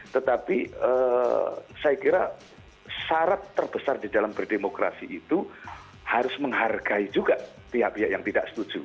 tetapi saya kira syarat terbesar di dalam berdemokrasi itu harus menghargai juga pihak pihak yang tidak setuju